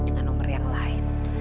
dengan nomor yang lain